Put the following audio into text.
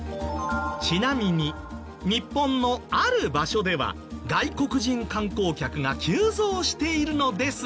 ちなみに日本のある場所では外国人観光客が急増しているのですが。